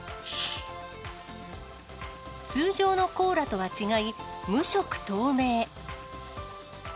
通常のコーラとは違い、無色透明。